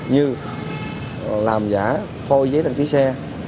như làm giả phôi giấy đăng ký xe